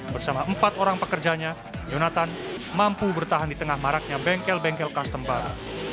bersama empat orang pekerjanya yonatan mampu bertahan di tengah maraknya bengkel bengkel custom baru